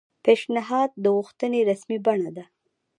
پیشنھاد د غوښتنې رسمي بڼه ده